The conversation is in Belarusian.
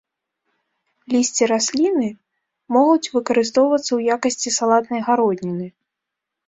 Лісце расліны могуць выкарыстоўвацца ў якасці салатнай гародніны.